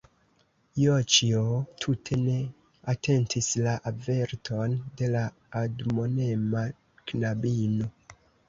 Joĉjo tute ne atentis la averton de la admonema knabino.